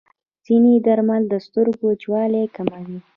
ځینې درمل د سترګو وچوالی کموي.